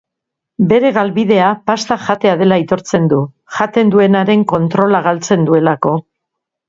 Bere galbidea pasta jatea dela aitortzen du, jaten duenaren kontrola galtzen duelako.